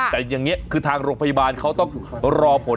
แต่อย่างนี้คือทางโรงพยาบาลเขาต้องรอผล